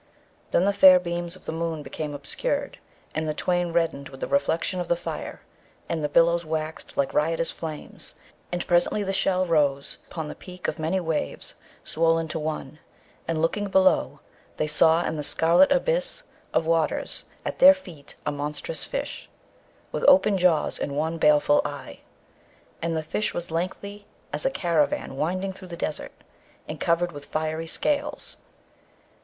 Then the fair beams of the moon became obscured, and the twain reddened with the reflection of the fire, and the billows waxed like riotous flames; and presently the shell rose upon the peak of many waves swollen to one, and looking below, they saw in the scarlet abyss of waters at their feet a monstrous fish, with open jaws and one baleful eye; and the fish was lengthy as a caravan winding through the desert, and covered with fiery scales.